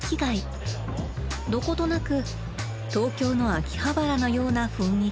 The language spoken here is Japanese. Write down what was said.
どことなく東京の秋葉原のような雰囲気。